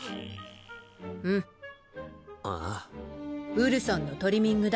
ウルソンのトリミング代。